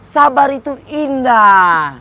sabar itu indah